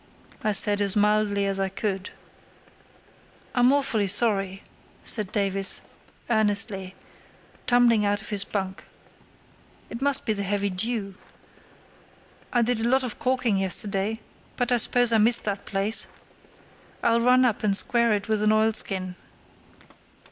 I said, as mildly as I could. "I'm awfully sorry," said Davies, earnestly, tumbling out of his bunk. "It must be the heavy dew. I did a lot of caulking yesterday, but I suppose I missed that place. I'll run up and square it with an oilskin."